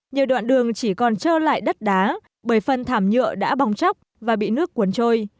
nhiều đoạn đường chỉ còn trơ lại đất đá bởi phần thảm nhựa đã bong chóc và bị nước cuốn trôi